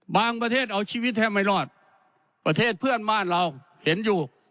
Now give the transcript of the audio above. ประเทศเอาชีวิตแทบไม่รอดประเทศเพื่อนบ้านเราเห็นอยู่